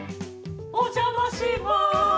お邪魔します